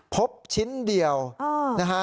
พบชิ้นเดียวนะฮะ